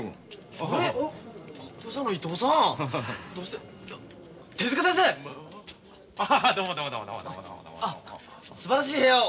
あっどうもすばらしい部屋を。